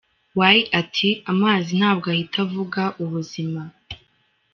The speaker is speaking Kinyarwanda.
Way ati "Amazi ntabwo ahita avuga ubuzima.